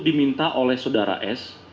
diminta oleh saudara s